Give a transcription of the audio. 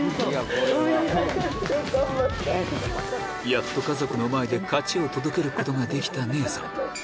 やっと家族の前で勝ちを届けることができた姉さん